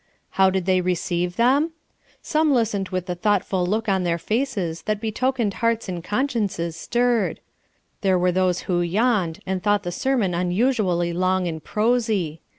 How did they receive them? Some listened with the thoughtful look on their faces that betokened hearts and consciences stirred. There were those who yawned, and thought the sermon unusually long and prosy.